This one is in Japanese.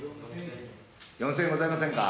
４，０００円ございませんか？